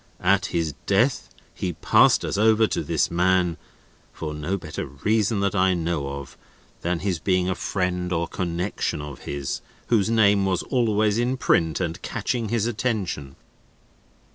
At his death, he passed us over to this man; for no better reason that I know of, than his being a friend or connexion of his, whose name was always in print and catching his attention."